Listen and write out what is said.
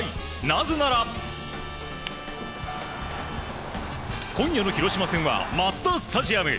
なぜなら、今夜の広島戦はマツダスタジアム。